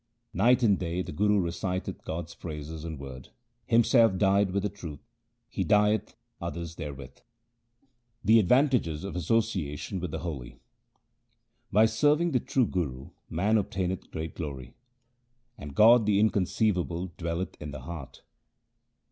Night and day the Guru reciteth God's praises and Word ; himself dyed with the truth, he dyeth others therewith. The advantages of association with the holy :— By serving the true Guru man obtaineth great glory, 174 THE SIKH RELIGION And God the Inconceivable dwelleth in the heart.